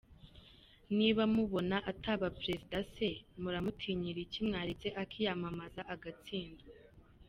niba mubona ataba perezida se muramutinyira iki mwaretse akiyamamaza agatsindwa??.